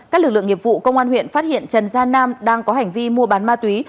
các lực lượng nghiệp vụ công an huyện phát hiện trần gia nam đang có hành vi mua bán ma túy